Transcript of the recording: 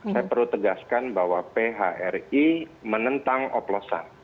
saya perlu tegaskan bahwa phri menentang oplosan